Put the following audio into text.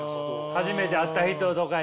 初めて会った人とかに。